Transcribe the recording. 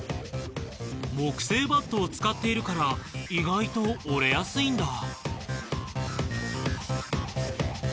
木製バットを使っているから意外と折れやすいんだ。